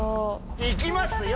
行きますよ！